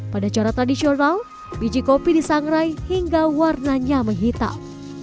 pada cara tradisional biji kopi disangrai hingga warnanya menghitam